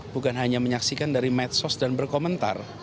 bukan hanya menyaksikan dari medsos dan berkomentar